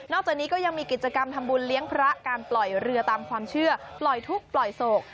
จากนี้ก็ยังมีกิจกรรมทำบุญเลี้ยงพระการปล่อยเรือตามความเชื่อปล่อยทุกข์ปล่อยโศก